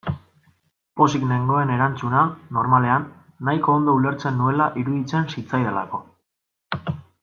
Pozik nengoen erantzuna, normalean, nahiko ondo ulertzen nuela iruditzen zitzaidalako.